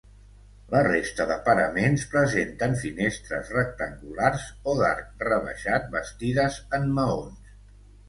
La resta de paraments presenten finestres rectangulars o d'arc rebaixat bastides en maons.